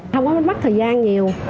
không có mất thời gian nhiều